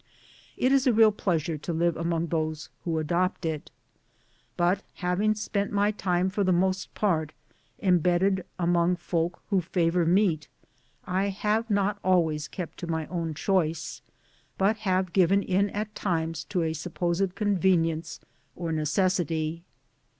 It is a real pleasure to live among those who adopt it. But having spent my time for the most part embedded among folk who favour meat, I have not always kept to my own choice, but have given in at times to a supposed convenience or necessity.